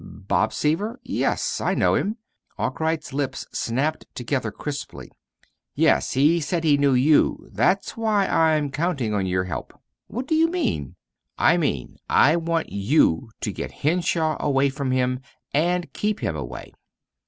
"Bob Seaver? Yes, I know him." Arkwright's lips snapped together crisply. "Yes. He said he knew you. That's why I'm counting on your help." "What do you mean?" "I mean I want you to get Henshaw away from him, and keep him away."